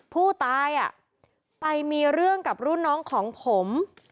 ผู้ตายไปมีเรื่องกับรุ่นน้องของผม